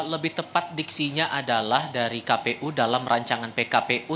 lebih tepat diksinya adalah dari kpu dalam rancangan pkpu